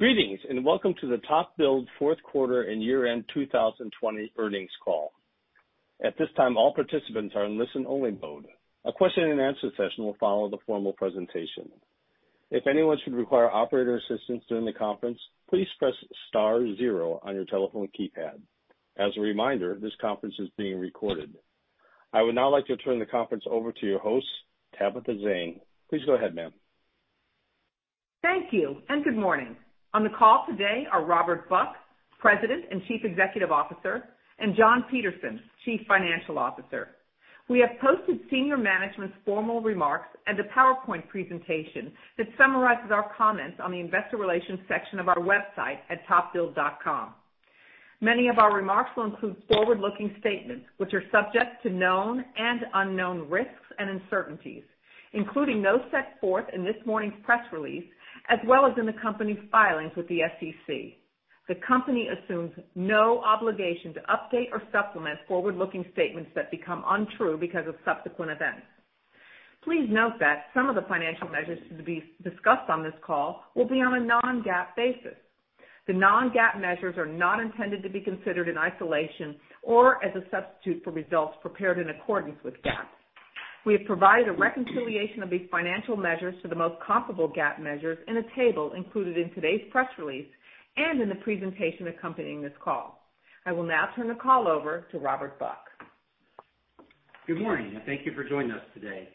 Greetings, and welcome to the TopBuild fourth quarter and year-end 2020 earnings call. At this time, all participants are in listen-only mode. A question and answer session will follow the formal presentation. If anyone should require operator assistance during the conference, please press star zero on your telephone keypad. As a reminder, this conference is being recorded. I would now like to turn the conference over to your host, Tabitha Zane. Please go ahead, ma'am. Thank you, and good morning. On the call today are Robert Buck, President and Chief Executive Officer, and John Peterson, Chief Financial Officer. We have posted senior management's formal remarks and a PowerPoint presentation that summarizes our comments on the investor relations section of our website at topbuild.com. Many of our remarks will include forward-looking statements, which are subject to known and unknown risks and uncertainties, including those set forth in this morning's press release, as well as in the company's filings with the SEC. The company assumes no obligation to update or supplement forward-looking statements that become untrue because of subsequent events. Please note that some of the financial measures to be discussed on this call will be on a non-GAAP basis. The non-GAAP measures are not intended to be considered in isolation or as a substitute for results prepared in accordance with GAAP. We have provided a reconciliation of these financial measures to the most comparable GAAP measures in a table included in today's press release and in the presentation accompanying this call. I will now turn the call over to Robert Buck. Good morning, and thank you for joining us today.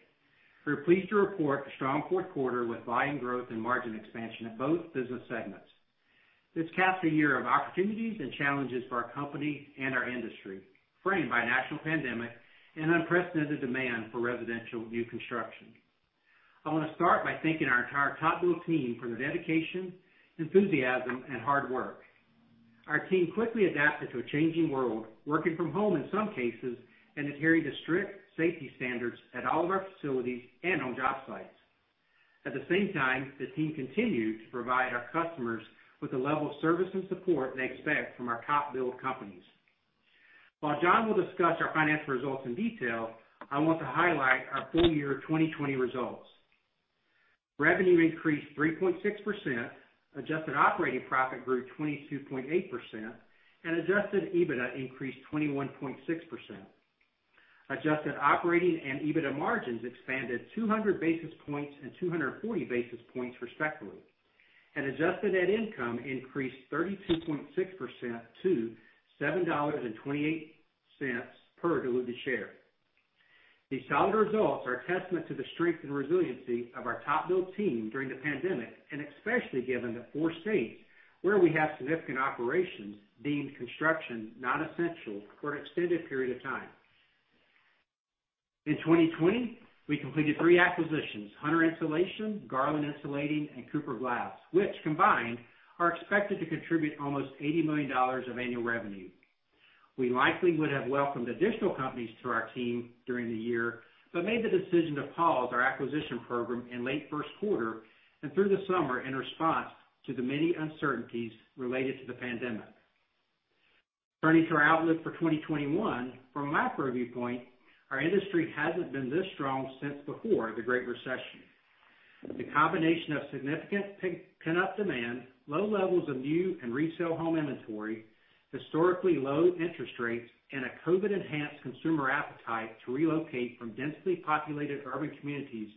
We're pleased to report a strong fourth quarter with volume growth and margin expansion in both business segments. This caps a year of opportunities and challenges for our company and our industry, framed by a national pandemic and unprecedented demand for residential new construction. I wanna start by thanking our entire TopBuild team for their dedication, enthusiasm, and hard work. Our team quickly adapted to a changing world, working from home in some cases, and adhering to strict safety standards at all of our facilities and on-job sites. At the same time, the team continued to provide our customers with a level of service and support they expect from our TopBuild companies. While John will discuss our financial results in detail, I want to highlight our full year 2020 results. Revenue increased 3.6%, adjusted operating profit grew 22.8%, and adjusted EBITDA increased 21.6%. Adjusted operating and EBITDA margins expanded 200 basis points and 240 basis points, respectively, and adjusted net income increased 32.6% to $7.28 per diluted share. These solid results are a testament to the strength and resiliency of our TopBuild team during the pandemic, and especially given the four states where we have significant operations, deemed construction non-essential for an extended period of time. In 2020, we completed three acquisitions, Hunter Insulation, Garland Insulating, and Cooper Glass, which combined, are expected to contribute almost $80 million of annual revenue. We likely would have welcomed additional companies to our team during the year, but made the decision to pause our acquisition program in late first quarter and through the summer in response to the many uncertainties related to the pandemic. Turning to our outlook for 2021, from my point of view, our industry hasn't been this strong since before the Great Recession. The combination of significant pent-up demand, low levels of new and resale home inventory, historically low interest rates, and a COVID-enhanced consumer appetite to relocate from densely populated urban communities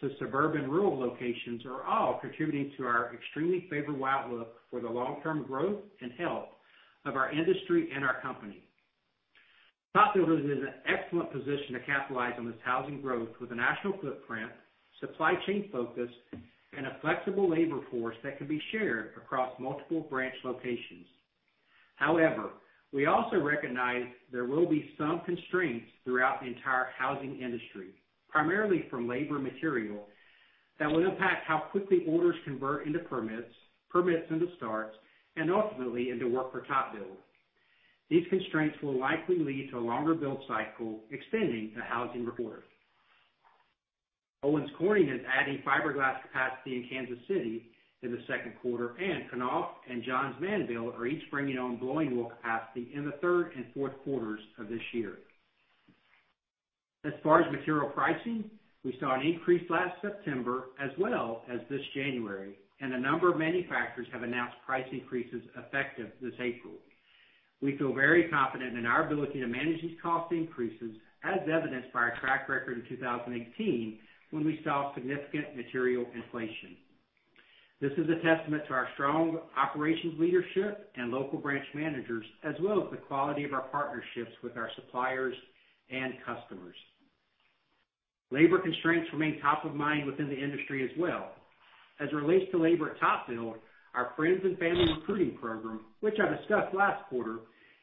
to suburban rural locations, are all contributing to our extremely favorable outlook for the long-term growth and health of our industry and our company. TopBuild is in an excellent position to capitalize on this housing growth with a national footprint, supply chain focus, and a flexible labor force that can be shared across multiple branch locations. However, we also recognize there will be some constraints throughout the entire housing industry, primarily from labor material, that will impact how quickly orders convert into permits, permits into starts, and ultimately into work for TopBuild. These constraints will likely lead to a longer build cycle, extending the housing recovery. Owens Corning is adding fiberglass capacity in Kansas City in the second quarter, and Knauf and Johns Manville are each bringing on blowing wool capacity in the third and fourth quarters of this year. As far as material pricing, we saw an increase last September as well as this January, and a number of manufacturers have announced price increases effective this April. We feel very confident in our ability to manage these cost increases, as evidenced by our track record in 2018, when we saw significant material inflation. This is a testament to our strong operations leadership and local branch managers, as well as the quality of our partnerships with our suppliers and customers. Labor constraints remain top of mind within the industry as well. As it relates to labor at TopBuild, our friends and family recruiting program, which I discussed last quarter,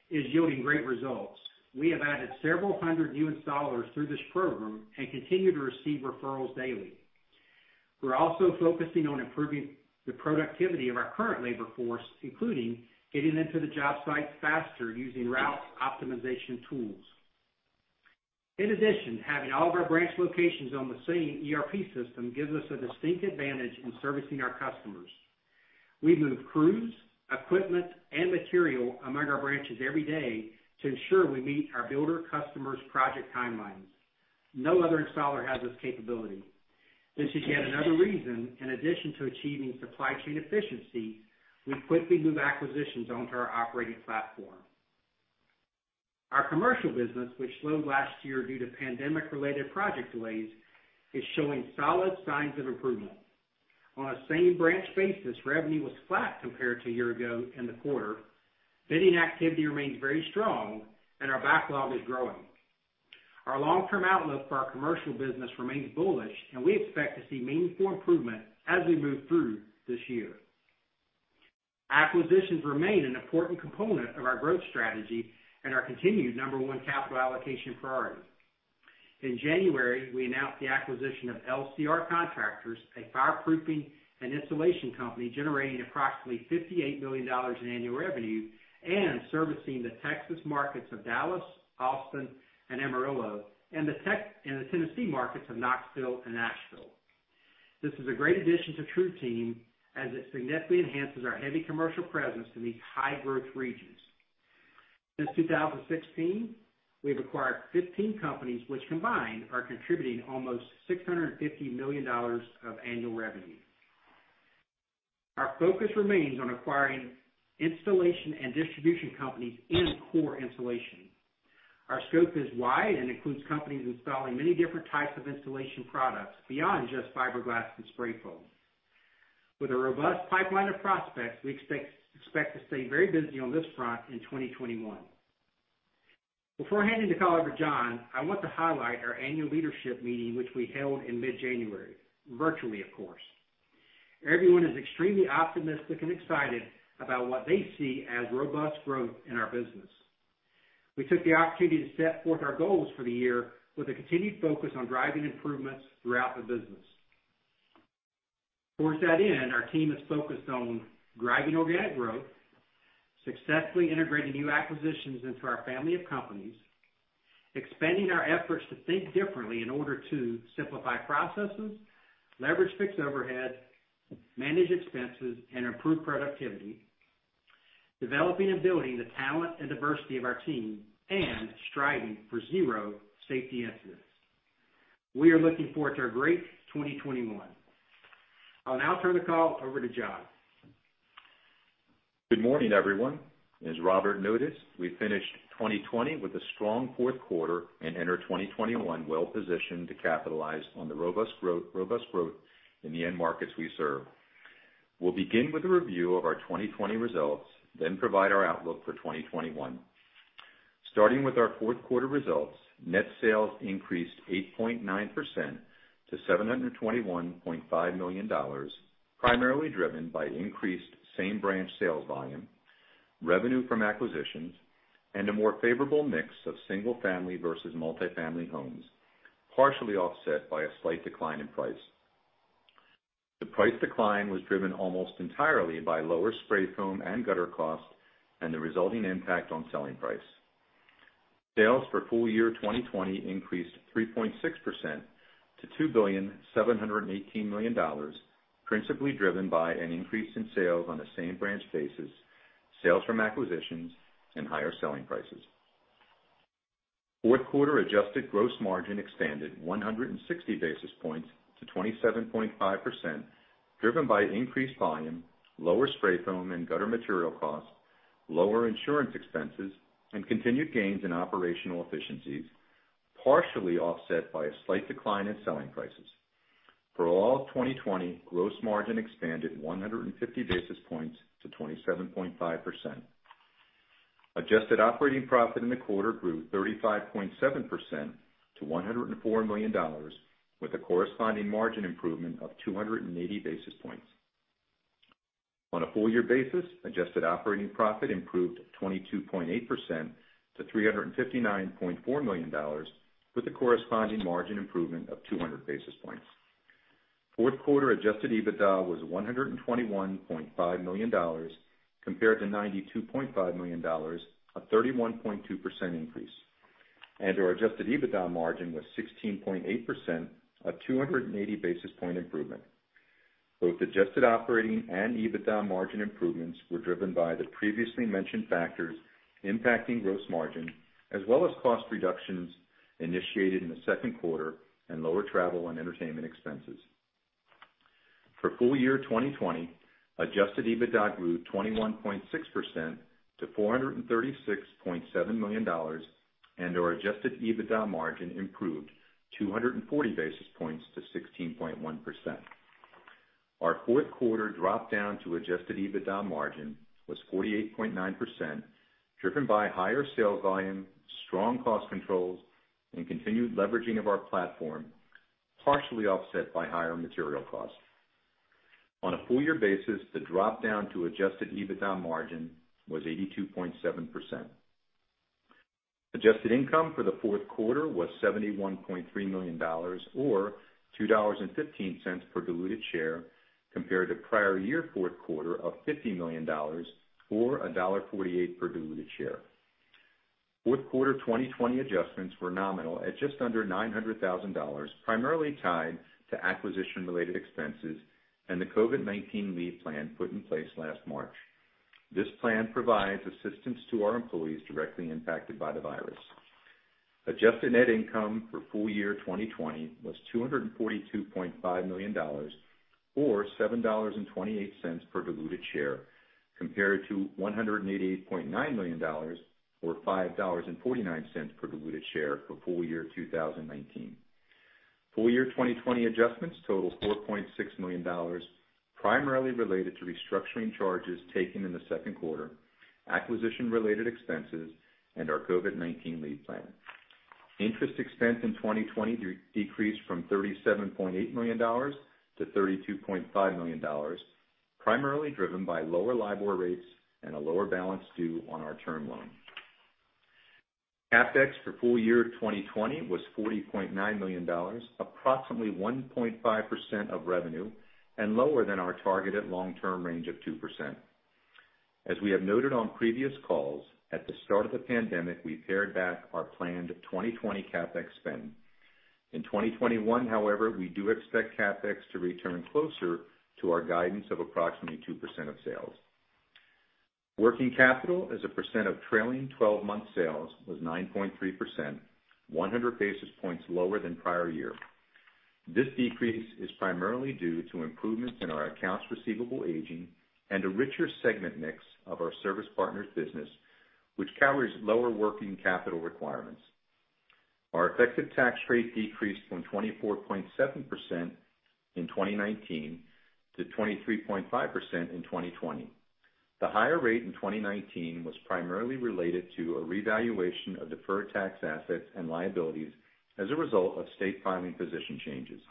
is yielding great results. We have added several hundred new installers through this program and continue to receive referrals daily. We're also focusing on improving the productivity of our current labor force, including getting them to the job site faster, using route optimization tools. In addition, having all of our branch locations on the same ERP system gives us a distinct advantage in servicing our customers. We move crews, equipment, and material among our branches every day to ensure we meet our builder customers' project timelines. No other installer has this capability. This is yet another reason, in addition to achieving supply chain efficiency, we quickly move acquisitions onto our operating platform. Our commercial business, which slowed last year due to pandemic-related project delays, is showing solid signs of improvement. On a same-branch basis, revenue was flat compared to a year ago in the quarter. Bidding activity remains very strong, and our backlog is growing. Our long-term outlook for our commercial business remains bullish, and we expect to see meaningful improvement as we move through this year. Acquisitions remain an important component of our growth strategy and our continued number one capital allocation priority. In January, we announced the acquisition of LCR Contractors, a fireproofing and insulation company generating approximately $58 million in annual revenue and servicing the Texas markets of Dallas, Austin, and Amarillo, and the Texas and the Tennessee markets of Knoxville and Nashville. This is a great addition to TruTeam, as it significantly enhances our heavy commercial presence in these high-growth regions. Since 2016, we've acquired 15 companies, which combined are contributing almost $650 million of annual revenue. Our focus remains on acquiring installation and distribution companies in core insulation. Our scope is wide and includes companies installing many different types of insulation products beyond just fiberglass and spray foam. With a robust pipeline of prospects, we expect to stay very busy on this front in 2021. Before I hand the call over to John, I want to highlight our annual leadership meeting, which we held in mid-January, virtually, of course. Everyone is extremely optimistic and excited about what they see as robust growth in our business. We took the opportunity to set forth our goals for the year with a continued focus on driving improvements throughout the business. Towards that end, our team is focused on driving organic growth, successfully integrating new acquisitions into our family of companies, expanding our efforts to think differently in order to simplify processes, leverage fixed overhead, manage expenses, and improve productivity, developing and building the talent and diversity of our team, and striving for zero safety incidents. We are looking forward to a great 2021. I'll now turn the call over to John. Good morning, everyone. As Robert noted, we finished 2020 with a strong fourth quarter and entered 2021 well positioned to capitalize on the robust growth in the end markets we serve. We'll begin with a review of our 2020 results, then provide our outlook for 2021. Starting with our fourth quarter results, net sales increased 8.9% to $721.5 million, primarily driven by increased same-branch sales volume, revenue from acquisitions, and a more favorable mix of single-family versus multifamily homes, partially offset by a slight decline in price. The price decline was driven almost entirely by lower spray foam and gutter costs and the resulting impact on selling price. Sales for full year 2020 increased 3.6% to $2.718 billion, principally driven by an increase in sales on a same-branch basis, sales from acquisitions, and higher selling prices. Fourth quarter adjusted gross margin expanded 160 basis points to 27.5%, driven by increased volume, lower spray foam and gutter material costs, lower insurance expenses, and continued gains in operational efficiencies, partially offset by a slight decline in selling prices. For all of 2020, gross margin expanded 150 basis points to 27.5%. Adjusted operating profit in the quarter grew 35.7% to $104 million, with a corresponding margin improvement of 280 basis points. On a full year basis, adjusted operating profit improved 22.8% to $359.4 million, with a corresponding margin improvement of 200 basis points. Fourth quarter adjusted EBITDA was $121.5 million, compared to $92.5 million, a 31.2% increase, and our adjusted EBITDA margin was 16.8%, a 280 basis point improvement. Both adjusted operating and EBITDA margin improvements were driven by the previously mentioned factors impacting gross margin, as well as cost reductions initiated in the second quarter and lower travel and entertainment expenses. For full year 2020, adjusted EBITDA grew 21.6% to $436.7 million, and our adjusted EBITDA margin improved 240 basis points to 16.1%. Our fourth quarter drop down to adjusted EBITDA margin was 48.9%, driven by higher sales volume, strong cost controls, and continued leveraging of our platform, partially offset by higher material costs. On a full year basis, the drop down to adjusted EBITDA margin was 82.7%. Adjusted income for the fourth quarter was $71.3 million, or $2.15 per diluted share, compared to prior year fourth quarter of $50 million, or $1.48 per diluted share. Fourth quarter 2020 adjustments were nominal at just under $900,000, primarily tied to acquisition-related expenses and the COVID-19 leave plan put in place last March. This plan provides assistance to our employees directly impacted by the virus. Adjusted net income for full year 2020 was $242.5 million or $7.28 per diluted share, compared to $188.9 million or $5.49 per diluted share for full year 2019. Full year 2020 adjustments total $4.6 million, primarily related to restructuring charges taken in the second quarter, acquisition-related expenses, and our COVID-19 leave plan. Interest expense in 2020 decreased from $37.8 million to $32.5 million, primarily driven by lower LIBOR rates and a lower balance due on our term loan. CapEx for full year 2020 was $40.9 million, approximately 1.5% of revenue, and lower than our targeted long-term range of 2%. As we have noted on previous calls, at the start of the pandemic, we pared back our planned 2020 CapEx spend. In 2021, however, we do expect CapEx to return closer to our guidance of approximately 2% of sales. Working capital as a percent of trailing 12-month sales was 9.3%, 100 basis points lower than prior year. This decrease is primarily due to improvements in our accounts receivable aging and a richer segment mix of our Service Partners business, which carries lower working capital requirements. Our effective tax rate decreased from 24.7% in 2019 to 23.5% in 2020. The higher rate in 2019 was primarily related to a revaluation of deferred tax assets and liabilities as a result of state filing position changes.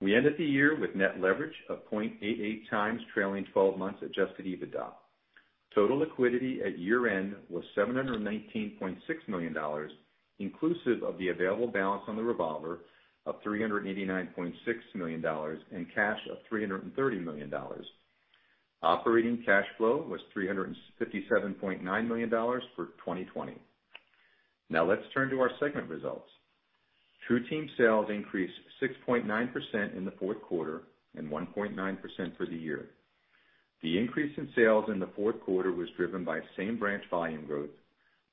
We ended the year with net leverage of 0.88x trailing 12-month adjusted EBITDA. Total liquidity at year-end was $719.6 million, inclusive of the available balance on the revolver of $389.6 million, and cash of $330 million. Operating cash flow was $357.9 million for 2020. Now let's turn to our segment results. TruTeam sales increased 6.9% in the fourth quarter and 1.9% for the year. The increase in sales in the fourth quarter was driven by same-branch volume growth,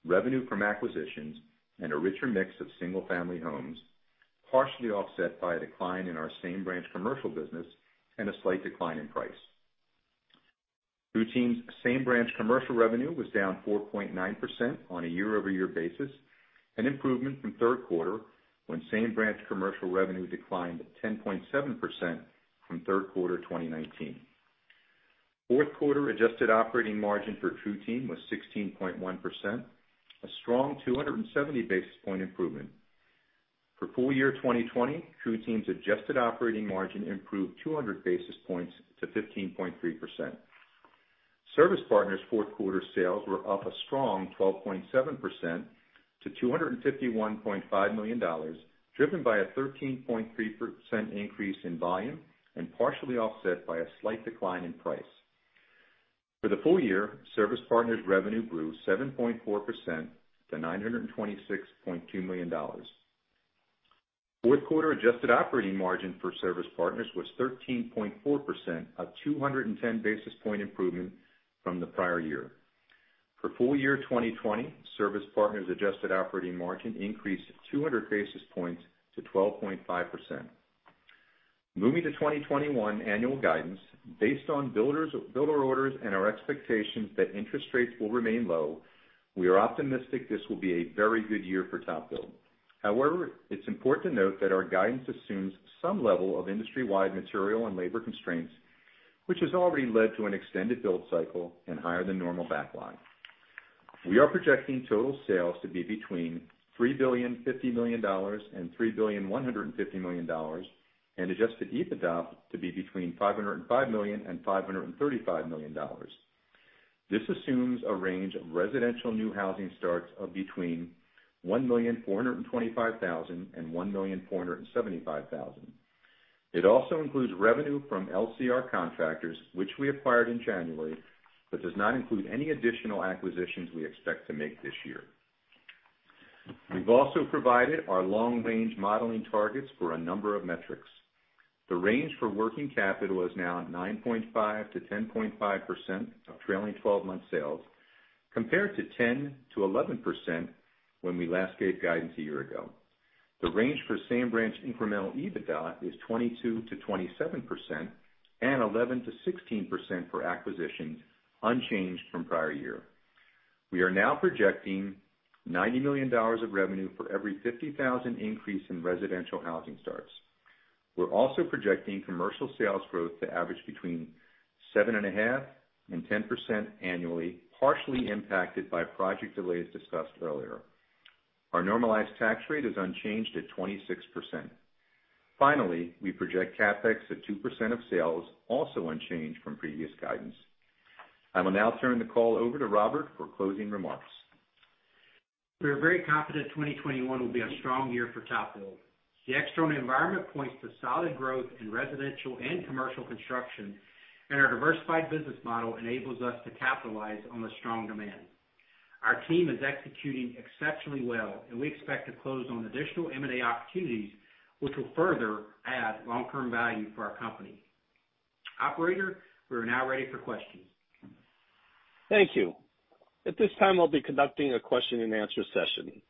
revenue from acquisitions, and a richer mix of single-family homes, partially offset by a decline in our same-branch commercial business and a slight decline in price. TruTeam's same-branch commercial revenue was down 4.9% on a year-over-year basis, an improvement from third quarter, when same-branch commercial revenue declined 10.7% from third quarter 2019. Fourth quarter adjusted operating margin for TruTeam was 16.1%, a strong 270 basis point improvement. For full year 2020, TruTeam's adjusted operating margin improved 200 basis points to 15.3%. Service Partners' fourth quarter sales were up a strong 12.7% to $251.5 million, driven by a 13.3% increase in volume and partially offset by a slight decline in price. For the full year, Service Partners' revenue grew 7.4% to $926.2 million. Fourth quarter adjusted operating margin for Service Partners was 13.4%, a 210 basis point improvement from the prior year. For full year 2020, Service Partners' adjusted operating margin increased 200 basis points to 12.5%. Moving to 2021 annual guidance. Based on builder orders and our expectations that interest rates will remain low, we are optimistic this will be a very good year for TopBuild. However, it's important to note that our guidance assumes some level of industry-wide material and labor constraints, which has already led to an extended build cycle and higher than normal backlogs. We are projecting total sales to be between $3.05 billion and $3.15 billion, and adjusted EBITDA to be between $505 million and $535 million. This assumes a range of residential new housing starts of between 1,425,000 and 1,475,000. It also includes revenue from LCR Contractors, which we acquired in January, but does not include any additional acquisitions we expect to make this year. We've also provided our long-range modeling targets for a number of metrics. The range for working capital is now at 9.5% to 10.5% of trailing twelve-month sales, compared to 10% to 11% when we last gave guidance a year ago. The range for same-branch incremental EBITDA is 22% to 27% and 11% to 16% for acquisitions, unchanged from prior year. We are now projecting $90 million of revenue for every 50,000 increase in residential housing starts. We're also projecting commercial sales growth to average between 7.5% and 10% annually, partially impacted by project delays discussed earlier. Our normalized tax rate is unchanged at 26%. Finally, we project CapEx at 2% of sales, also unchanged from previous guidance. I will now turn the call over to Robert for closing remarks. We are very confident 2021 will be a strong year for TopBuild. The external environment points to solid growth in residential and commercial construction, and our diversified business model enables us to capitalize on the strong demand. Our team is executing exceptionally well, and we expect to close on additional M&A opportunities, which will further add long-term value for our company. Operator, we are now ready for questions. Thank you. At this time, we'll be conducting a question-and-answer session.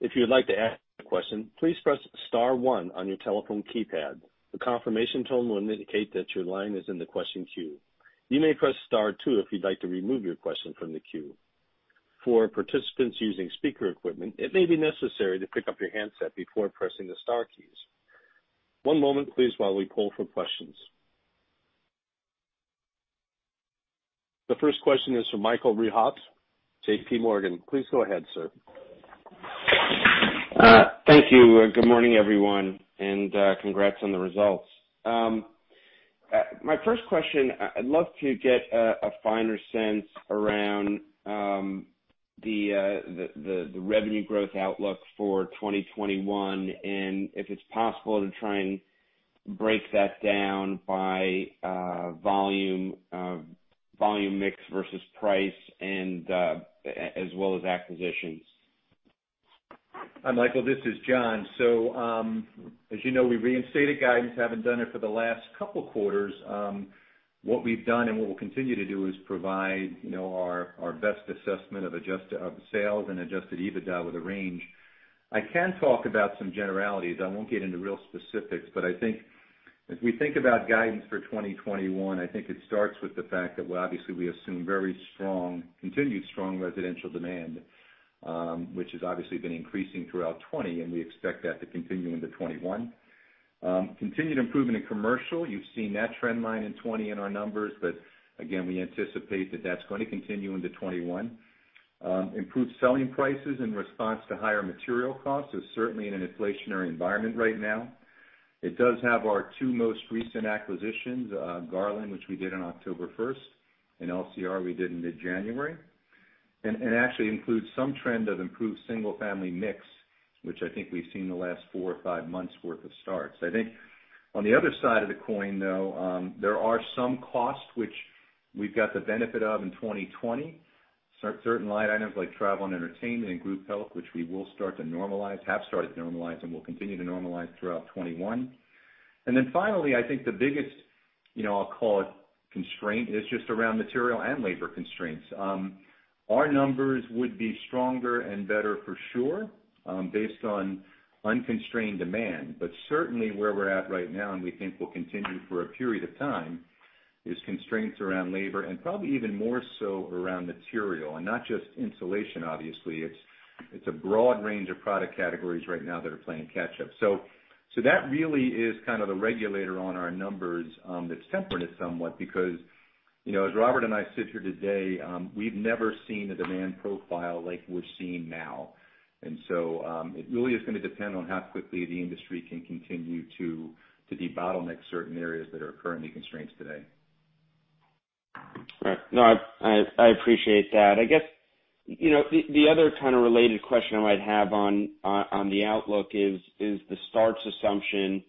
If you would like to ask a question, please press star one on your telephone keypad. A confirmation tone will indicate that your line is in the question queue. You may press star two if you'd like to remove your question from the queue. For participants using speaker equipment, it may be necessary to pick up your handset before pressing the star keys. One moment, please, while we pull for questions. The first question is from Michael Rehaut, JPMorgan. Please go ahead, sir. Thank you. Good morning, everyone, and congrats on the results. My first question, I'd love to get a finer sense around the revenue growth outlook for 2021, and if it's possible, to try and break that down by volume mix versus price, and as well as acquisitions. Hi, Michael, this is John. So, as you know, we've reinstated guidance, haven't done it for the last couple quarters. What we've done and what we'll continue to do is provide, you know, our best assessment of adjusted sales and adjusted EBITDA with a range. I can talk about some generalities. I won't get into real specifics, but I think as we think about guidance for 2021, I think it starts with the fact that, well, obviously, we assume very strong, continued strong residential demand, which has obviously been increasing throughout 2020, and we expect that to continue into 2021. Continued improvement in commercial. You've seen that trend line in 2020 in our numbers, but again, we anticipate that that's going to continue into 2021. Improved selling prices in response to higher material costs, so certainly in an inflationary environment right now. It does have our two most recent acquisitions, Garland, which we did on October 1st, and LCR, we did in mid-January. And actually includes some trend of improved single-family mix, which I think we've seen the last four or five months worth of starts. I think on the other side of the coin, though, there are some costs which we've got the benefit of in 2020. Certain line items like travel and entertainment and group health, which we will start to normalize, have started to normalize, and will continue to normalize throughout 2021. And then finally, I think the biggest, you know, I'll call it constraint, is just around material and labor constraints. Our numbers would be stronger and better for sure, based on unconstrained demand. But certainly, where we're at right now, and we think will continue for a period of time, is constraints around labor and probably even more so around material. And not just insulation, obviously. It's a broad range of product categories right now that are playing catch up. So that really is kind of the regulator on our numbers, that's tempered it somewhat because, you know, as Robert and I sit here today, we've never seen a demand profile like we're seeing now. And so, it really is gonna depend on how quickly the industry can continue to debottleneck certain areas that are currently constrained today. Right. No, I appreciate that. I guess, you know, the other kind of related question I might have on the outlook is the starts assumption.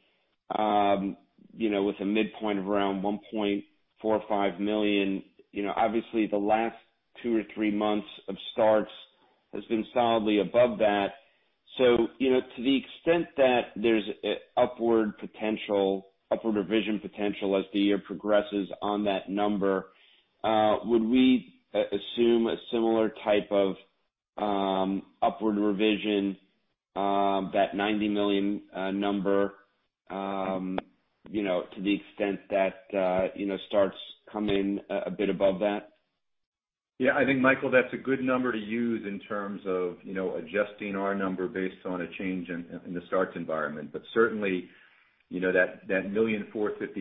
You know, with a midpoint of around 1.4 million or 1.5 million, you know, obviously, the last two or three months of starts has been solidly above that. So, you know, to the extent that there's an upward potential, upward revision potential as the year progresses on that number, would we assume a similar type of upward revision, that 90 million number, you know, to the extent that, you know, starts come in a bit above that? Yeah, I think, Michael, that's a good number to use in terms of, you know, adjusting our number based on a change in, in the starts environment. But certainly, you know, that, that 1.45 million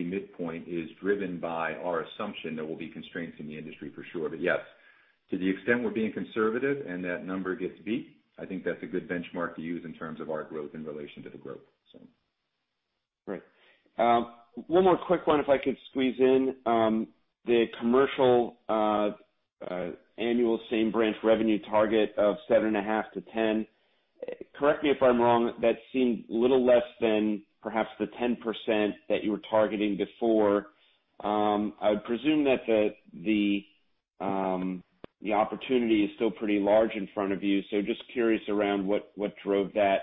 midpoint is driven by our assumption there will be constraints in the industry for sure. But yes, to the extent we're being conservative and that number gets beat, I think that's a good benchmark to use in terms of our growth in relation to the growth, so. Great. One more quick one, if I could squeeze in. The commercial annual same branch revenue target of 7.5%-10%. Correct me if I'm wrong, that seemed a little less than perhaps the 10% that you were targeting before. I would presume that the opportunity is still pretty large in front of you, so just curious around what drove that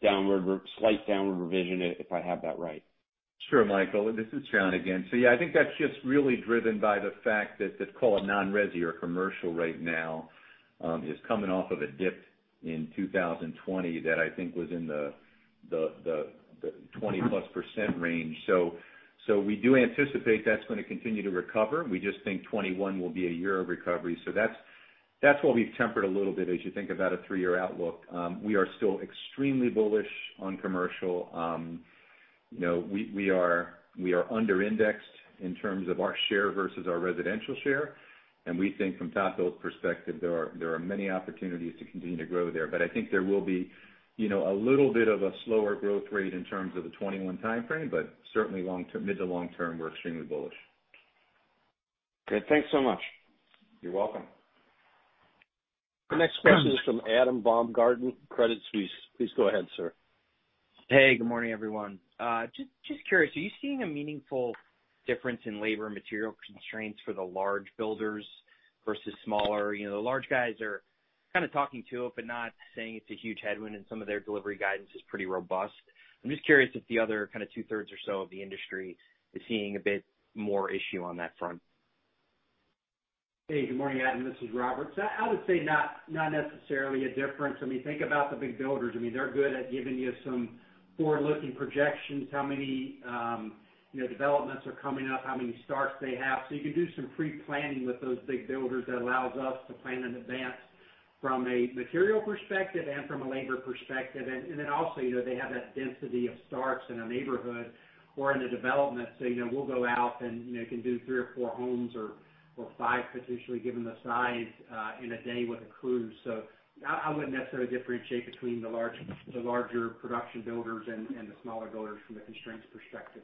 slight downward revision, if I have that right? Sure, Michael, this is John again. So yeah, I think that's just really driven by the fact that the, call it, non-resi or commercial right now, is coming off of a dip in 2020 that I think was in the 20%+ range. So we do anticipate that's going to continue to recover. We just think 2021 will be a year of recovery. So that's why we've tempered a little bit as you think about a three-year outlook. We are still extremely bullish on commercial. You know, we are under-indexed in terms of our share versus our residential share, and we think from TopBuild's perspective, there are many opportunities to continue to grow there. But I think there will be, you know, a little bit of a slower growth rate in terms of the 2021 timeframe, but certainly long-term, mid to long term, we're extremely bullish. Good. Thanks so much. You're welcome. The next question is from Adam Baumgarten, Credit Suisse. Please go ahead, sir. Hey, good morning, everyone. Just curious, are you seeing a meaningful difference in labor and material constraints for the large builders versus smaller? You know, the large guys are kind of talking to it, but not saying it's a huge headwind, and some of their delivery guidance is pretty robust. I'm just curious if the other kind of two-thirds or so of the industry is seeing a bit more issue on that front. Hey, good morning, Adam. This is Robert. So I would say not necessarily a difference. I mean, think about the big builders. I mean, they're good at giving you some forward-looking projections, how many, you know, developments are coming up, how many starts they have. So you can do some pre-planning with those big builders that allows us to plan in advance from a material perspective and from a labor perspective. And then also, you know, they have that density of starts in a neighborhood or in a development. So, you know, we'll go out and, you know, can do three or four homes or five, potentially, given the size, in a day with a crew. So I wouldn't necessarily differentiate between the larger production builders and the smaller builders from a constraints perspective.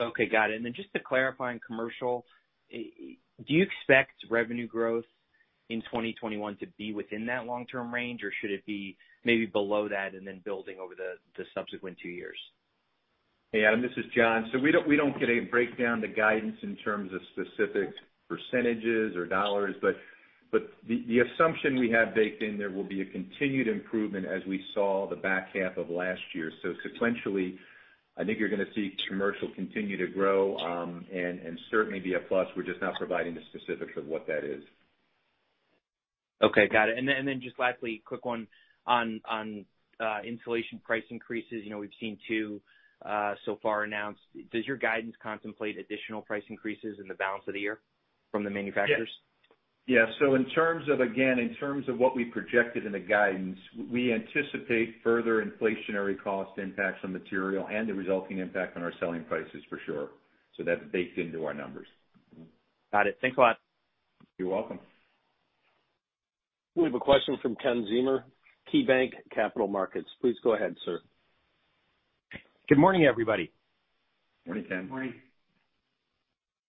Okay, got it. And then just to clarify on commercial, do you expect revenue growth in 2020-one to be within that long-term range, or should it be maybe below that and then building over the subsequent two years? Hey, Adam, this is John. So we don't give a breakdown to guidance in terms of specific percentages or dollars, but the assumption we have baked in there will be a continued improvement as we saw the back half of last year. So sequentially, I think you're going to see commercial continue to grow, and certainly be a plus. We're just not providing the specifics of what that is. Okay, got it. And then just lastly, quick one on insulation price increases. You know, we've seen two so far announced. Does your guidance contemplate additional price increases in the balance of the year from the manufacturers? Yeah. Yeah, so in terms of, again, in terms of what we projected in the guidance, we anticipate further inflationary cost impacts on material and the resulting impact on our selling prices for sure. So that's baked into our numbers. Got it. Thanks a lot. You're welcome. We have a question from Ken Zener, KeyBanc Capital Markets. Please go ahead, sir. Good morning, everybody. Morning, Ken. Morning.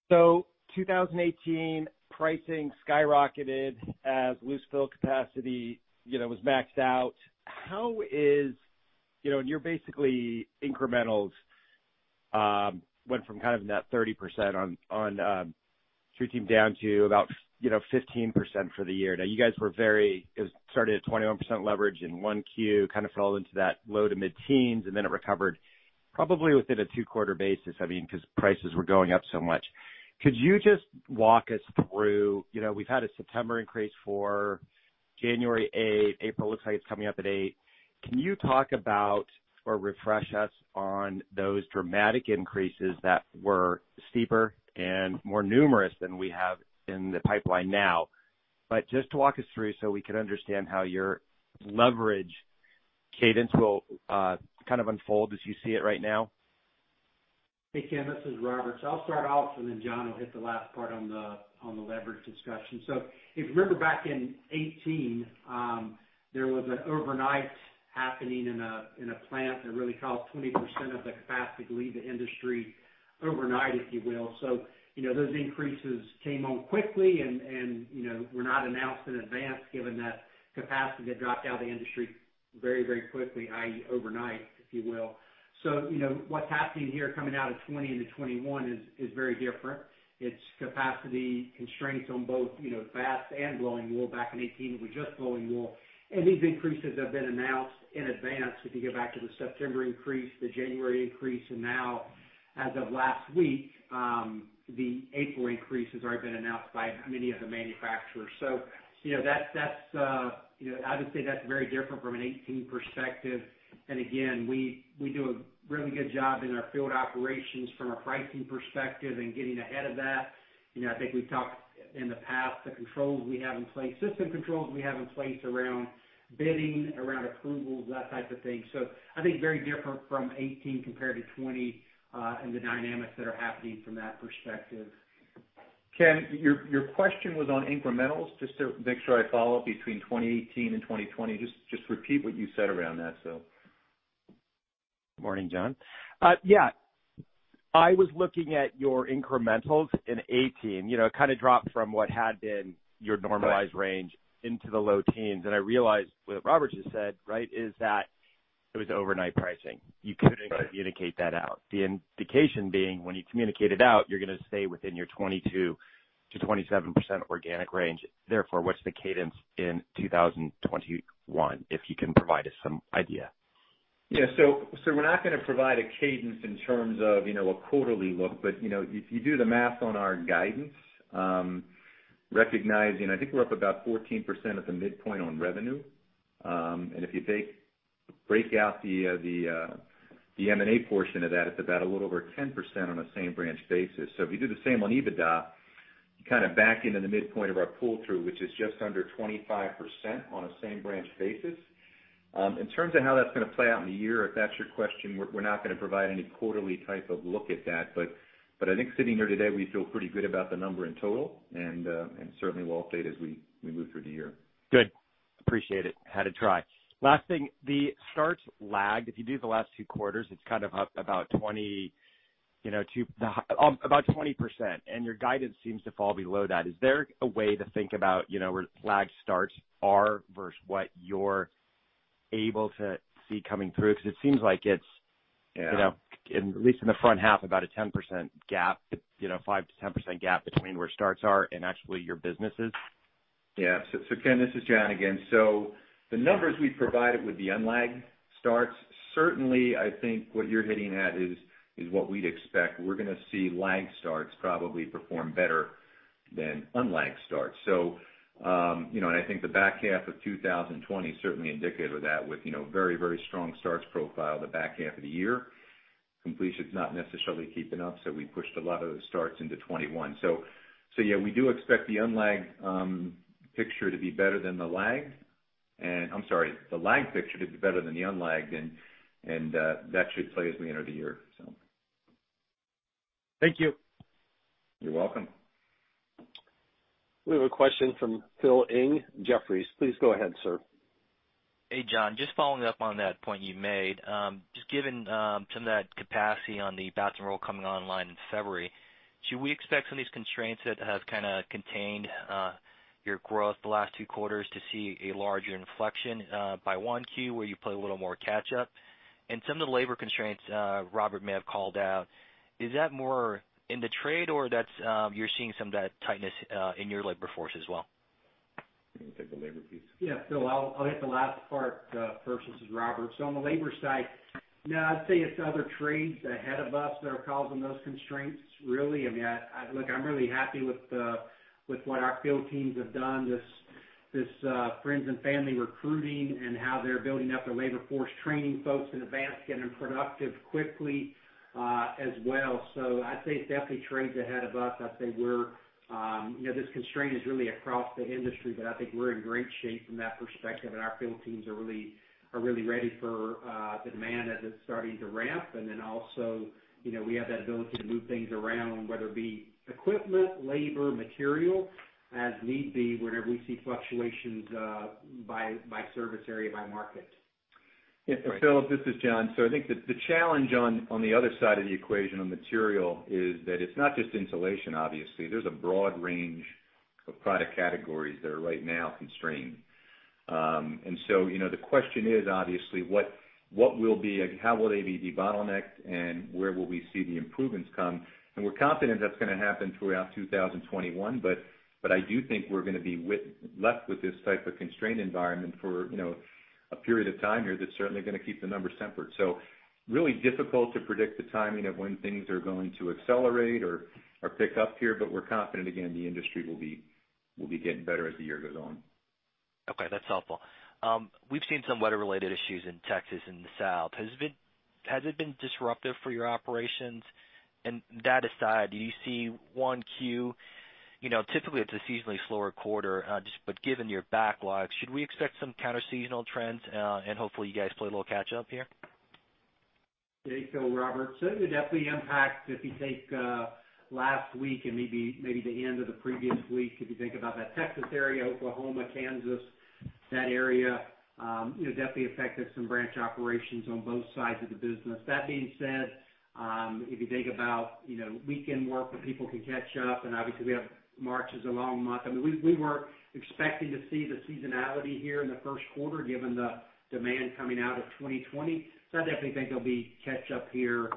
So, 2018, pricing skyrocketed as loose-fill capacity, you know, was maxed out. You know, and your basic incrementals went from kind of net 30% on 2010 down to about, you know, 15% for the year. Now, you guys were very. It started at 21% leverage in 1Q, kind of fell into that low- to mid-teens, and then it recovered probably within a two-quarter basis, I mean, because prices were going up so much. Could you just walk us through, you know. We've had a September increase for January eighth, April looks like it's coming up at eight. Can you talk about or refresh us on those dramatic increases that were steeper and more numerous than we have in the pipeline now? But just to walk us through so we can understand how your leverage cadence will kind of unfold as you see it right now. Hey, Ken, this is Robert. So I'll start off, and then John will hit the last part on the leverage discussion. So if you remember back in 2018, there was an overnight happening in a plant that really caused 20% of the capacity to leave the industry overnight, if you will. So, you know, those increases came on quickly and, you know, were not announced in advance, given that capacity had dropped out of the industry very, very quickly, i.e., overnight, if you will. So, you know, what's happening here coming out of 2020 into 2021 is very different. It's capacity constraints on both, you know, batts and blowing wool. Back in 2018, it was just blowing wool. And these increases have been announced in advance. If you go back to the September increase, the January increase, and now as of last week, the April increase has already been announced by many of the manufacturers. So, you know, that's, you know, I would say that's very different from a 2018 perspective. And again, we do a really good job in our field operations from a pricing perspective and getting ahead of that. You know, I think we've talked in the past, the controls we have in place, system controls we have in place around bidding, around approvals, that type of thing. So I think very different from 2018 compared to 2020, and the dynamics that are happening from that perspective. Ken, your question was on incrementals. Just to make sure I follow between 2018 and 2020, just repeat what you said around that so. Morning, John. Yeah. I was looking at your incrementals in 2018. You know, it kind of dropped from what had been your normalized range into the low teens, and I realized what Robert just said, right, is that it was overnight pricing. Right. You couldn't communicate that out. The indication being, when you communicate it out, you're going to stay within your 22%-27% organic range. Therefore, what's the cadence in 2021, if you can provide us some idea? Yeah. So we're not going to provide a cadence in terms of, you know, a quarterly look. But, you know, if you do the math on our guidance, recognizing I think we're up about 14% at the midpoint on revenue. And if you break out the M&A portion of that, it's about a little over 10% on a same branch basis. So if you do the same on EBITDA, you kind of back into the midpoint of our pull-through, which is just under 25% on a same branch basis. In terms of how that's going to play out in the year, if that's your question, we're not going to provide any quarterly type of look at that. But I think sitting here today, we feel pretty good about the number in total, and certainly we'll update as we move through the year. Good. Appreciate it. Had to try. Last thing, the starts lagged. If you do the last two quarters, it's kind of up about 20, you know, about 20%, and your guidance seems to fall below that. Is there a way to think about, you know, where the lagged starts are versus what you're able to see coming through? Because it seems like it's- Yeah. You know, at least in the front half, about a 10% gap, you know, 5%-10% gap between where starts are and actually your businesses. Yeah. So, Ken, this is John again. So the numbers we provided with the unlagged starts, certainly I think what you're hitting at is what we'd expect. We're going to see lagged starts probably perform better than unlagged starts. So, you know, and I think the back half of 2020 is certainly indicative of that with, you know, very, very strong starts profile the back half of the year. Completion is not necessarily keeping up, so we pushed a lot of the starts into 2021. So, yeah, we do expect the unlagged picture to be better than the lagged. And I'm sorry, the lagged picture to be better than the unlagged, and that should play as we enter the year, so. Thank you. You're welcome. We have a question from Phil Ng, Jefferies. Please go ahead, sir. Hey, John, just following up on that point you made. Just given some of that capacity on the batts and rolls coming online in February, should we expect some of these constraints that have kind of contained your growth the last two quarters to see a larger inflection by 1Q, where you play a little more catch up? And some of the labor constraints Robert may have called out, is that more in the trade, or that's you're seeing some of that tightness in your labor force as well? You take the labor piece. Yeah, so I'll hit the last part first. This is Robert, so on the labor side, no, I'd say it's other trades ahead of us that are causing those constraints, really. I mean. Look, I'm really happy with what our field teams have done, this friends and family recruiting and how they're building up their labor force, training folks in advance, getting them productive quickly, as well, so I'd say it's definitely trades ahead of us. I'd say we're, you know, this constraint is really across the industry, but I think we're in great shape from that perspective, and our field teams are really ready for the demand as it's starting to ramp. And then also, you know, we have that ability to move things around, whether it be equipment, labor, material, as need be, whenever we see fluctuations, by service area, by market. Yeah, Phil, this is John. So I think the challenge on the other side of the equation on material is that it's not just insulation, obviously. There's a broad range of product categories that are right now constrained. And so, you know, the question is, obviously, what will be and how will they be bottlenecked and where will we see the improvements come? And we're confident that's going to happen throughout 2021, but I do think we're going to be left with this type of constraint environment for, you know, a period of time here that's certainly going to keep the numbers tempered. So really difficult to predict the timing of when things are going to accelerate or pick up here, but we're confident, again, the industry will be getting better as the year goes on. Okay, that's helpful. We've seen some weather-related issues in Texas and the South. Has it been disruptive for your operations? And that aside, do you see 1Q, you know, typically, it's a seasonally slower quarter, just but given your backlog, should we expect some counterseasonal trends, and hopefully you guys play a little catch up here? Hey, Phil, Robert. So it definitely impacts if you take last week and maybe the end of the previous week, if you think about that Texas area, Oklahoma, Kansas, that area, you know, definitely affected some branch operations on both sides of the business. That being said, if you think about, you know, weekend work where people can catch up, and obviously we have March is a long month. I mean, we were expecting to see the seasonality here in the first quarter, given the demand coming out of 2020. So I definitely think there'll be catch up here,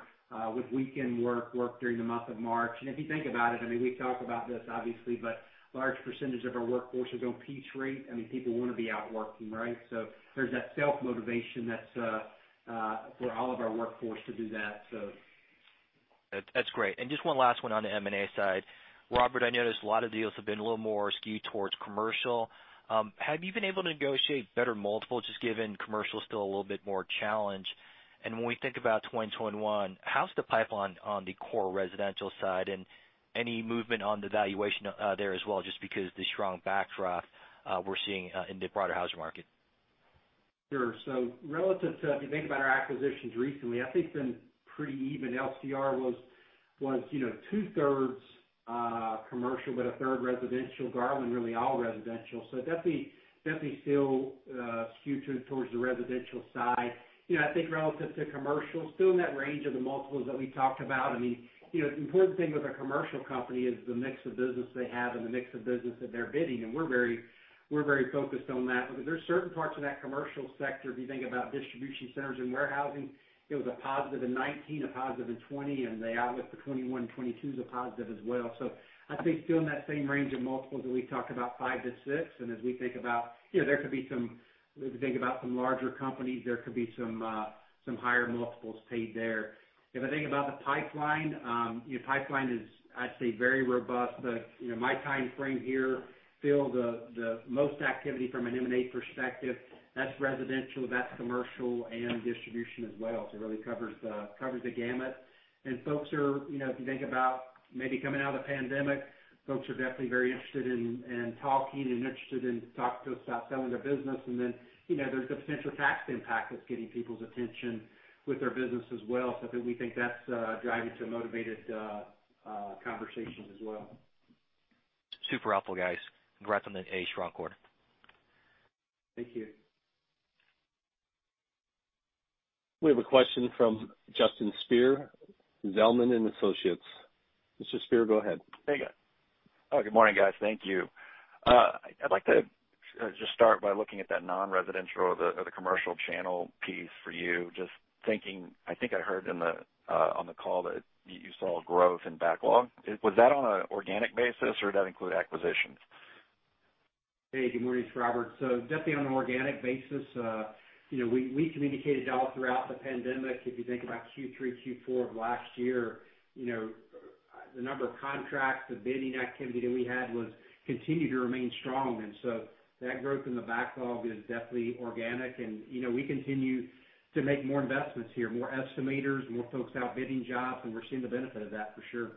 with weekend work, work during the month of March. And if you think about it, I mean, we've talked about this obviously, but large percentage of our workforce is on piece rate. I mean, people want to be out working, right? So there's that self-motivation that's for all of our workforce to do that, so. That's, that's great. And just one last one on the M&A side. Robert, I noticed a lot of deals have been a little more skewed towards commercial. Have you been able to negotiate better multiples, just given commercial is still a little bit more challenged? And when we think about 2021, how's the pipeline on the core residential side, and any movement on the valuation there as well, just because the strong backdrop we're seeing in the broader housing market? Sure. So relative to, if you think about our acquisitions recently, I think it's been pretty even. LCR was, you know, 2/3 of commercial, but a third residential. Garland, really all residential. So definitely still skewed towards the residential side. You know, I think relative to commercial, still in that range of the multiples that we talked about. I mean, you know, the important thing with a commercial company is the mix of business they have and the mix of business that they're bidding, and we're very focused on that. There are certain parts of that commercial sector, if you think about distribution centers and warehousing, it was a positive in 2019, a positive in 2020, and the outlook for 2021, 2022 is a positive as well. So I think still in that same range of multiples that we talked about, five to six. And as we think about... You know, there could be some, as we think about some larger companies, there could be some higher multiples paid there. If I think about the pipeline, you know, pipeline is, I'd say, very robust. But, you know, my time frame here, Phil, the most activity from an M&A perspective, that's residential, that's commercial and distribution as well. So it really covers the gamut. And folks are, you know, if you think about maybe coming out of the pandemic, folks are definitely very interested in talking to us about selling their business. And then, you know, there's the potential tax impact that's getting people's attention with their business as well. So I think we think that's driving some motivated conversations as well. Super helpful, guys. Congrats on a strong quarter. Thank you. We have a question from Justin Speer, Zelman & Associates. Mr. Speer, go ahead. Hey, guys. Oh, good morning, guys. Thank you. I'd like to just start by looking at that non-residential or the commercial channel piece for you. Just thinking, I think I heard on the call that you saw growth in backlog. Was that on an organic basis, or did that include acquisitions? Hey, good morning, it's Robert. So definitely on an organic basis, you know, we communicated all throughout the pandemic, if you think about Q3, Q4 of last year, you know, the number of contracts, the bidding activity that we had was continued to remain strong. And, you know, we continue to make more investments here, more estimators, more folks out bidding jobs, and we're seeing the benefit of that for sure.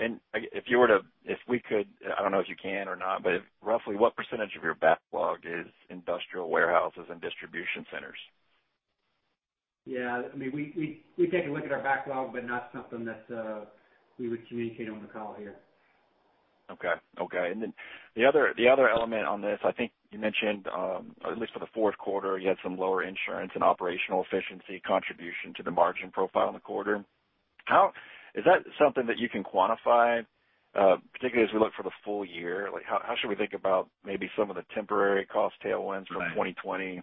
If we could, I don't know if you can or not, but roughly what percentage of your backlog is industrial warehouses and distribution centers? Yeah, I mean, we've taken a look at our backlog, but not something that we would communicate on the call here. Okay. Okay, and then the other, the other element on this, I think you mentioned, at least for the fourth quarter, you had some lower insurance and operational efficiency contribution to the margin profile in the quarter. How, is that something that you can quantify, particularly as we look for the full year? Like, how, how should we think about maybe some of the temporary cost tailwinds from 2020- Right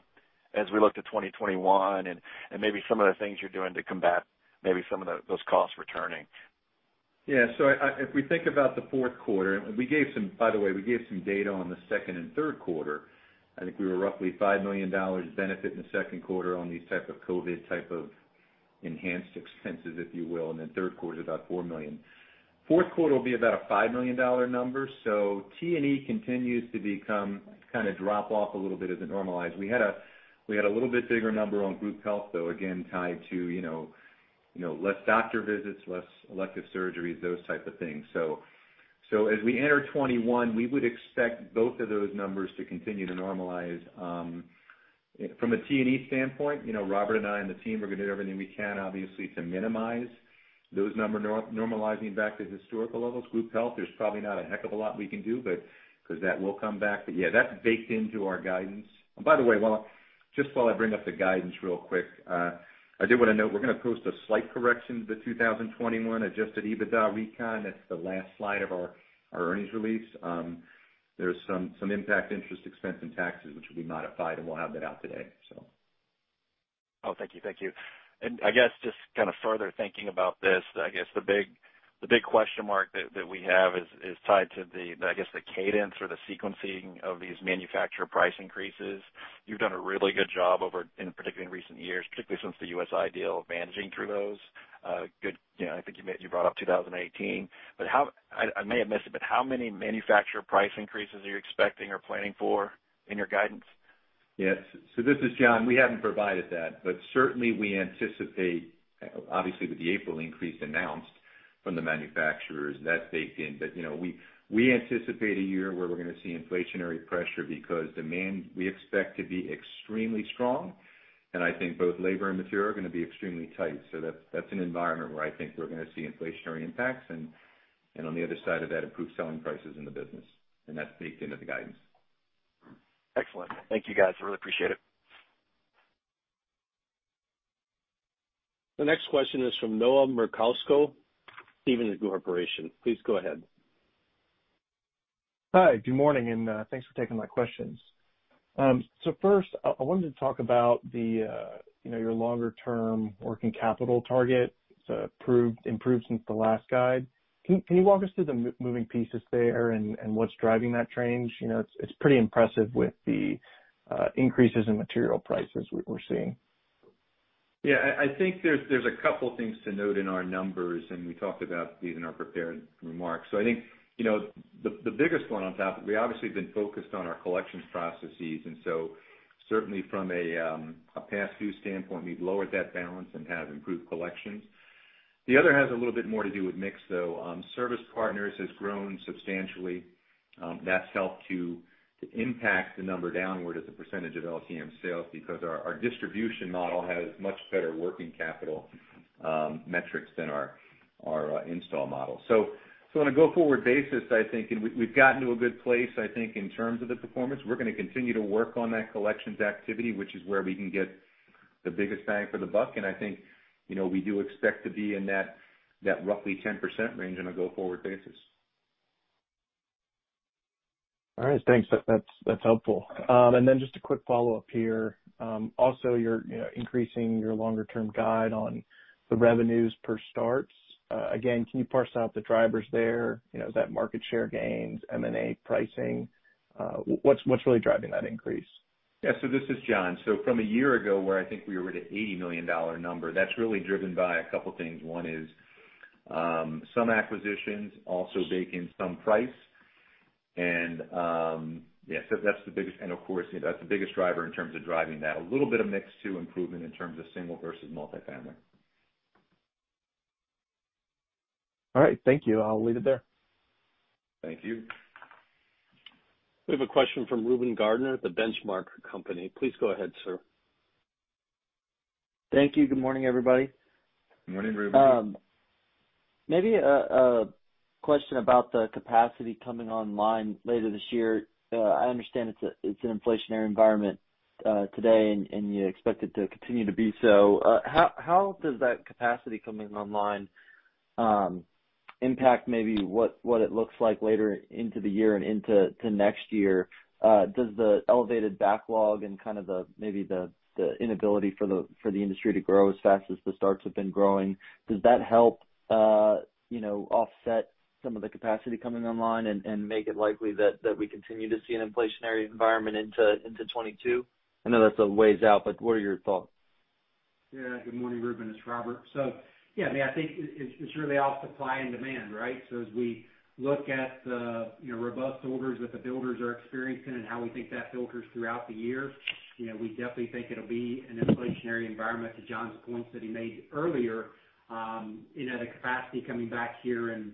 As we look to 2021, and maybe some of the things you're doing to combat maybe some of those costs returning? Yeah, so if we think about the fourth quarter, we gave some. By the way, we gave some data on the second and third quarter. I think we were roughly $5 million benefit in the second quarter on these type of COVID type of enhanced expenses, if you will, and then third quarter is about $4 million. Fourth quarter will be about a $5 million number, so T&E continues to become, kind of drop off a little bit as it normalize. We had a little bit bigger number on group health, though, again, tied to, you know, less doctor visits, less elective surgeries, those type of things. So as we enter 2021, we would expect both of those numbers to continue to normalize. From a T&E standpoint, you know, Robert and I, and the team are going to do everything we can, obviously, to minimize those numbers, normalizing back to historical levels. Group health, there's probably not a heck of a lot we can do, but because that will come back. But yeah, that's baked into our guidance. And by the way, while just I bring up the guidance real quick, I did want to note, we're going to post a slight correction to the 2021 adjusted EBITDA recon. That's the last slide of our earnings release. There's some impact interest expense and taxes, which will be modified, and we'll have that out today, so. Oh, thank you. Thank you. And I guess just kind of further thinking about this, I guess the big question mark that we have is tied to the, I guess, the cadence or the sequencing of these manufacturer price increases. You've done a really good job over in particularly in recent years, particularly since the USI deal managing through those. You know, I think you made, you brought up 2018. But how I may have missed it, but how many manufacturer price increases are you expecting or planning for in your guidance? Yes. So this is John. We haven't provided that, but certainly, we anticipate, obviously, with the April increase announced from the manufacturers, that's baked in. But, you know, we, we anticipate a year where we're going to see inflationary pressure because demand, we expect to be extremely strong, and I think both labor and material are going to be extremely tight. So that's, that's an environment where I think we're going to see inflationary impacts, and, and on the other side of that, improved selling prices in the business. And that's baked into the guidance. Excellent. Thank you, guys. I really appreciate it. The next question is from Noah Merkousko, Stephens Inc. Please go ahead. Hi, good morning, and thanks for taking my questions. So first, I wanted to talk about the, you know, your longer term working capital target. It's improved since the last guide. Can you walk us through the moving pieces there and what's driving that change? You know, it's pretty impressive with the increases in material prices we're seeing. Yeah, I think there's a couple things to note in our numbers, and we talked about these in our prepared remarks. So I think, you know, the biggest one on top, we obviously have been focused on our collections processes, and so certainly from a past due standpoint, we've lowered that balance and have improved collections. The other has a little bit more to do with mix, though. Service Partners has grown substantially. That's helped to impact the number downward as a percentage of LTM sales because our distribution model has much better working capital metrics than our install model. So on a go-forward basis, I think, and we've gotten to a good place, I think, in terms of the performance. We're going to continue to work on that collections activity, which is where we can get the biggest bang for the buck. And I think, you know, we do expect to be in that roughly 10% range on a go-forward basis. All right, thanks. That's helpful. And then just a quick follow-up here. Also, you're, you know, increasing your longer-term guide on the revenues per starts. Again, can you parse out the drivers there? You know, is that market share gains, M&A pricing? What's really driving that increase? Yeah, so this is John. So from a year ago, where I think we were at an $80 million number, that's really driven by a couple things. One is, some acquisitions also bake in some price. And, yeah, so that's the biggest. And of course, that's the biggest driver in terms of driving that. A little bit of mix, too, improvement in terms of single versus multifamily. All right. Thank you. I'll leave it there. Thank you. We have a question from Reuben Garner at The Benchmark Company. Please go ahead, sir. Thank you. Good morning, everybody. Good morning, Reuben. Maybe a question about the capacity coming online later this year. I understand it's an inflationary environment today, and you expect it to continue to be so. How does that capacity coming online impact maybe what it looks like later into the year and into next year? Does the elevated backlog and kind of maybe the inability for the industry to grow as fast as the starts have been growing help you know offset some of the capacity coming online and make it likely that we continue to see an inflationary environment into 2022? I know that's a ways out, but what are your thoughts? Yeah. Good morning, Reuben, it's Robert. So, yeah, I mean, I think it, it's really all supply and demand, right? So as we look at the, you know, robust orders that the builders are experiencing and how we think that filters throughout the year, you know, we definitely think it'll be an inflationary environment, to John's points that he made earlier. You know, the capacity coming back here in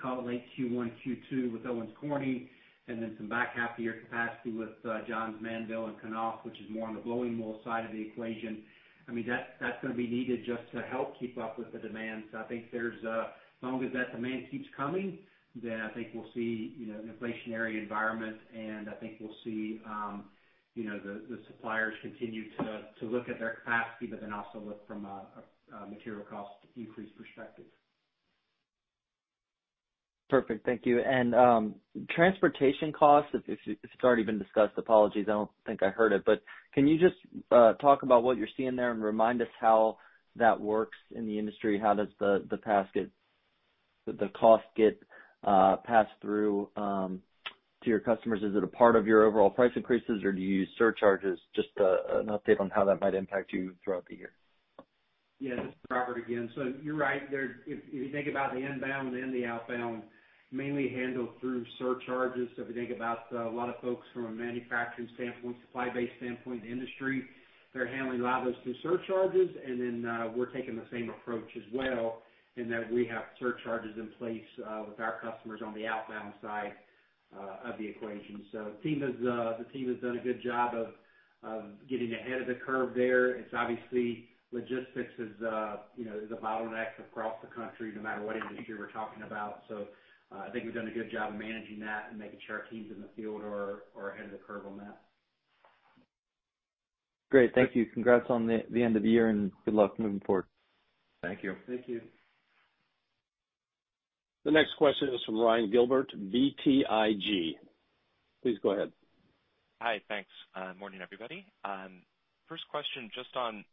call it late Q1, Q2 with Owens Corning, and then some back half year capacity with Johns Manville and Knauf, which is more on the blowing wool side of the equation. I mean, that's gonna be needed just to help keep up with the demand. So I think there's, as long as that demand keeps coming, then I think we'll see, you know, an inflationary environment, and I think we'll see, you know, the suppliers continue to look at their capacity, but then also look from a material cost increase perspective. Perfect. Thank you. And, transportation costs, if it's already been discussed, apologies, I don't think I heard it. But can you just talk about what you're seeing there and remind us how that works in the industry? How does the cost get passed through to your customers? Is it a part of your overall price increases, or do you use surcharges? Just, an update on how that might impact you throughout the year. Yeah, this is Robert again. So you're right, there, if you think about the inbound and the outbound, mainly handled through surcharges. So if you think about a lot of folks from a manufacturing standpoint, supply base standpoint in the industry, they're handling a lot of those through surcharges, and then we're taking the same approach as well, in that we have surcharges in place with our customers on the outbound side of the equation. So the team has done a good job of getting ahead of the curve there. It's obviously logistics is, you know, the bottleneck across the country, no matter what industry we're talking about. So I think we've done a good job of managing that and making sure our teams in the field are ahead of the curve on that. Great. Thank you. Congrats on the end of the year, and good luck moving forward. Thank you. Thank you. The next question is from Ryan Gilbert, BTIG. Please go ahead. Hi, thanks. Morning, everybody. First question, just on,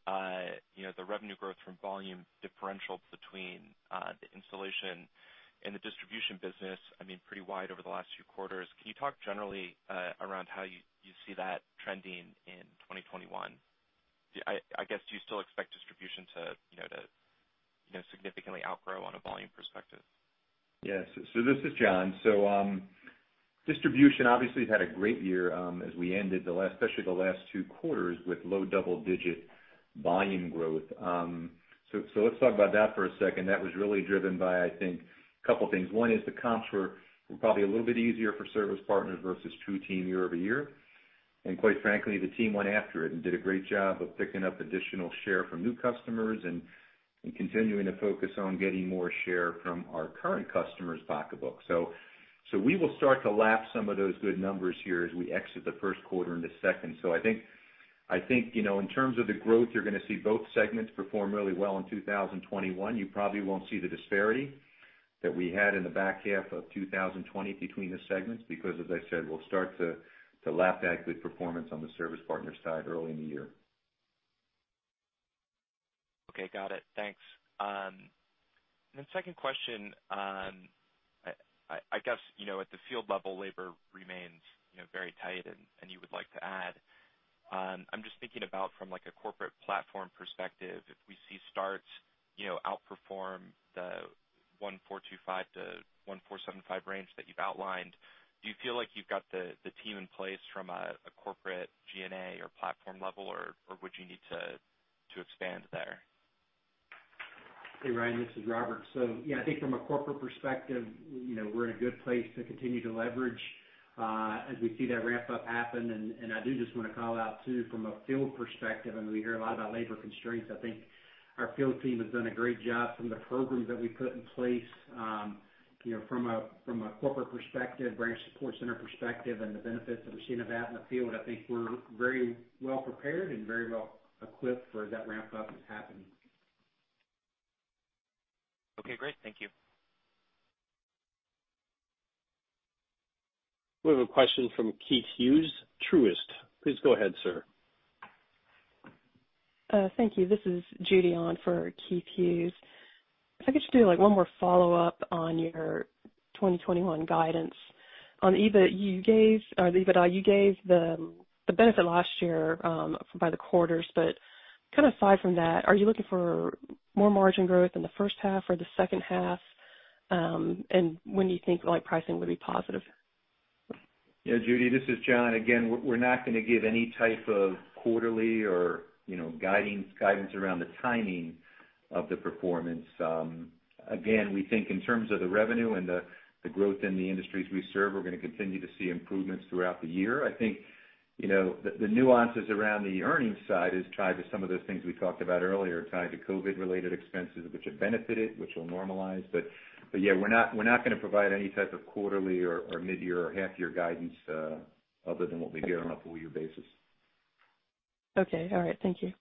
you know, the revenue growth from volume differential between the installation and the distribution business. I mean, pretty wide over the last few quarters. Can you talk generally around how you see that trending in 2021? I guess, do you still expect distribution to, you know, to, you know, significantly outgrow on a volume perspective? Yes. This is John. Distribution obviously had a great year, as we ended the last, especially the last two quarters, with low double-digit volume growth. So let's talk about that for a second. That was really driven by, I think, a couple things. One is the comps were probably a little bit easier for Service Partners versus TruTeam, year-over-year. And quite frankly, the team went after it and did a great job of picking up additional share from new customers and continuing to focus on getting more share from our current customers' pocketbook. So we will start to lap some of those good numbers here as we exit the first quarter into second. So I think, you know, in terms of the growth, you're gonna see both segments perform really well in 2021. You probably won't see the disparity that we had in the back half of 2020 between the segments, because, as I said, we'll start to lap that good performance on the Service Partners side early in the year. Okay, got it. Thanks. Then second question, I guess, you know, at the field level, labor remains, you know, very tight, and you would like to add. I'm just thinking about from, like, a corporate platform perspective, if we see starts, you know, outperform the 1,425-1,475 range that you've outlined, do you feel like you've got the team in place from a corporate G&A or platform level, or would you need to expand there? Hey, Ryan, this is Robert. So yeah, I think from a corporate perspective, you know, we're in a good place to continue to leverage as we see that ramp-up happen. And I do just want to call out too, from a field perspective, and we hear a lot about labor constraints. I think our field team has done a great job from the programs that we put in place. You know, from a corporate perspective, Branch Support Center perspective, and the benefits that we've seen of that in the field, I think we're very well prepared and very well equipped for that ramp-up to happen. Okay, great. Thank you. We have a question from Keith Hughes, Truist. Please go ahead, sir. Thank you. This is Judy on for Keith Hughes. If I could just do, like, one more follow-up on your 2021 guidance. On EBITDA, you gave, or the EBITDA, you gave the benefit last year by the quarters, but kind of aside from that, are you looking for more margin growth in the first half or the second half? And when do you think, like, pricing would be positive? Yeah, Judy, this is John. Again, we're not gonna give any type of quarterly or, you know, guidance around the timing of the performance. Again, we think in terms of the revenue and the growth in the industries we serve, we're gonna continue to see improvements throughout the year. You know, the nuances around the earnings side is tied to some of those things we talked about earlier, tied to COVID-related expenses, which have benefited, which will normalize. But yeah, we're not gonna provide any type of quarterly or mid-year or half-year guidance, other than what we give on a full year basis. Okay. All right, thank you.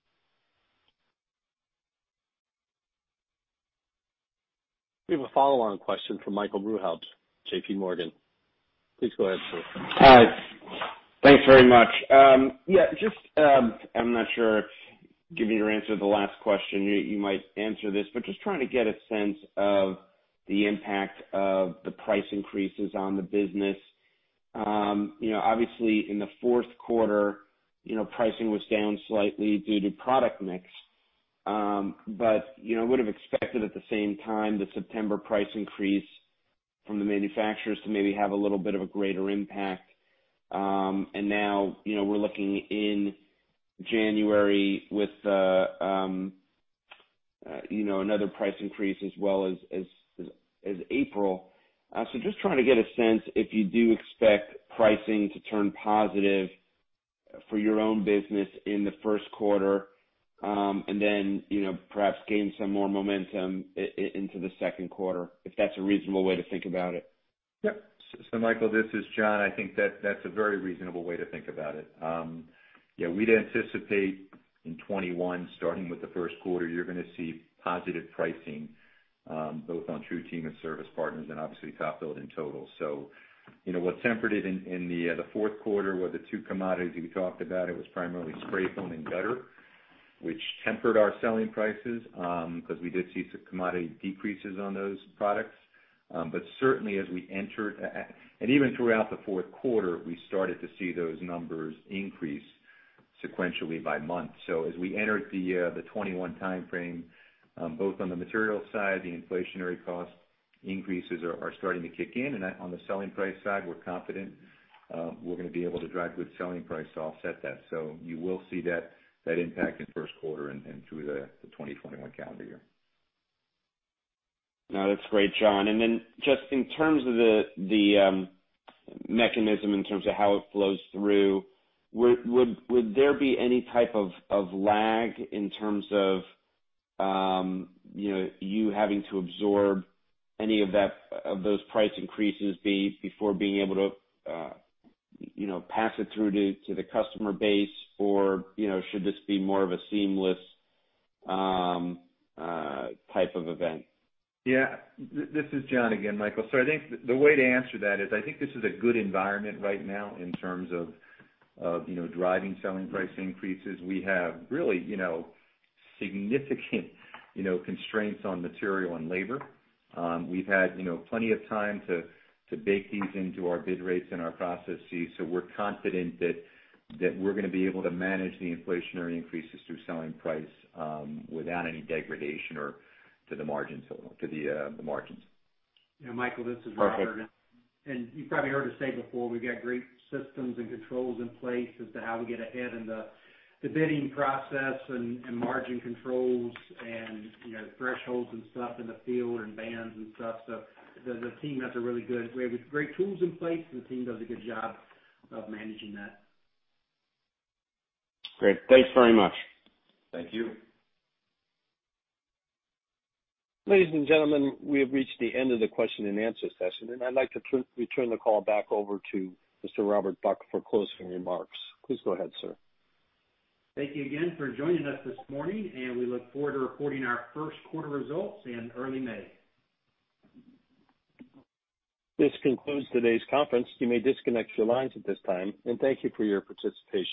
We have a follow-on question from Michael Rehaut, JPMorgan. Please go ahead, sir. Hi. Thanks very much. Yeah, just, I'm not sure, given your answer to the last question, you might answer this, but just trying to get a sense of the impact of the price increases on the business. You know, obviously, in the fourth quarter, you know, pricing was down slightly due to product mix. But, you know, I would have expected at the same time, the September price increase from the manufacturers to maybe have a little bit of a greater impact. And now, you know, we're looking in January with, you know, another price increase as well as April. So just trying to get a sense if you do expect pricing to turn positive for your own business in the first quarter, and then, you know, perhaps gain some more momentum into the second quarter, if that's a reasonable way to think about it? Yep. So Michael, this is John. I think that's, that's a very reasonable way to think about it. Yeah, we'd anticipate in 2021, starting with the first quarter, you're gonna see positive pricing, both on TruTeam and Service Partners and obviously, TopBuild in total. So, you know, what tempered it in the fourth quarter were the two commodities we talked about. It was primarily spray foam and gutter, which tempered our selling prices, because we did see some commodity decreases on those products. But certainly as we entered and even throughout the fourth quarter, we started to see those numbers increase sequentially by month. So as we entered the 2021 timeframe, both on the material side, the inflationary cost increases are starting to kick in, and on the selling price side, we're confident we're gonna be able to drive good selling price to offset that. So you will see that impact in the first quarter and through the 2021 calendar year. No, that's great, John. And then just in terms of the mechanism, in terms of how it flows through, would there be any type of lag in terms of you know you having to absorb any of that, of those price increases before being able to you know pass it through to the customer base? Or, you know, should this be more of a seamless type of event? Yeah. This is John again, Michael. So I think the way to answer that is, I think this is a good environment right now in terms of, of, you know, driving selling price increases. We have really, you know, significant, you know, constraints on material and labor. We've had, you know, plenty of time to, to bake these into our bid rates and our processes, so we're confident that, that we're gonna be able to manage the inflationary increases through selling price, without any degradation or to the margins, to the, the margins. Yeah, Michael, this is Robert. Perfect. You've probably heard us say before, we've got great systems and controls in place as to how we get ahead in the bidding process and margin controls and, you know, thresholds and stuff in the field, and bands and stuff. So the team does a really good. We have great tools in place, and the team does a good job of managing that. Great. Thanks very much. Thank you. Ladies and gentlemen, we have reached the end of the question and answer session, and I'd like to return the call back over to Mr. Robert Buck for closing remarks. Please go ahead, sir. Thank you again for joining us this morning, and we look forward to reporting our first quarter results in early May. This concludes today's conference. You may disconnect your lines at this time, and thank you for your participation.